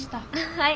はい。